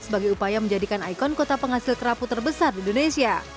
sebagai upaya menjadikan ikon kota penghasil kerapu terbesar di indonesia